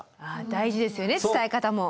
大事ですよね伝え方も。